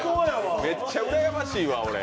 めっちゃうらやましいわ、これ。